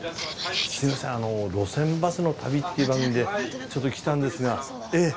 あの『路線バスの旅』っていう番組でちょっと来たんですがええ。